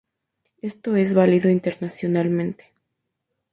Esto es válido internacionalmente.